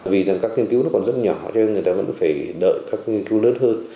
vì rằng các nghiên cứu nó còn rất nhỏ cho nên người ta vẫn phải đợi các nghiên cứu lớn hơn